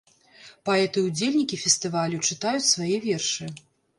Паэты-ўдзельнікі фестывалю чытаюць свае вершы.